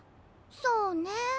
そうね。